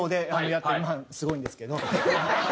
すごいんですけど。